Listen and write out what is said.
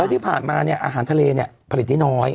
ที่ผ่านมาเนี่ยอาหารทะเลเนี่ยผลิตได้น้อย